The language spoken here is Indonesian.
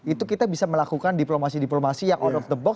itu kita bisa melakukan diplomasi diplomasi yang on of the box